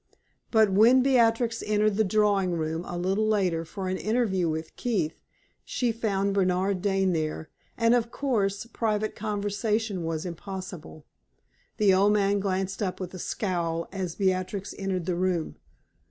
But when Beatrix entered the drawing room a little later for an interview with Keith, she found Bernard Dane there, and, of course, private conversation was impossible. The old man glanced up with a scowl as Beatrix entered the room.